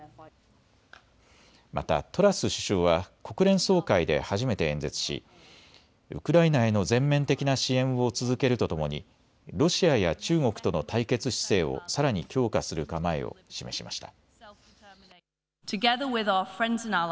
またトラス首相は国連総会で初めて演説しウクライナへの全面的な支援を続けるとともにロシアや中国との対決姿勢をさらに強化する構えを示しました。